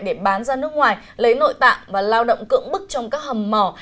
để bán ra nước ngoài lấy nội tạng và lao động cưỡng bức trong các hầm mỏ